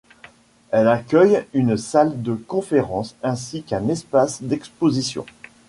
Elle accueille une salle de conférences ainsi qu'un espace d'exposition.